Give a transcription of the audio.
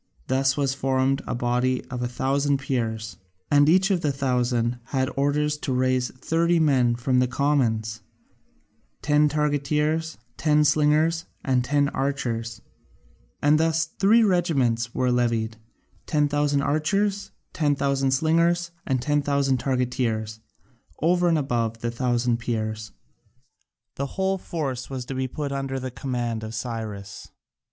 Thus was formed a body of a thousand Peers: and each of the thousand had orders to raise thirty men from the commons ten targeteers, ten slingers, and ten archers and thus three regiments were levied, 10,000 archers, 10,000 slingers, and 10,000 targeteers, over and above the thousand Peers. The whole force was to be put under the command of Cyrus.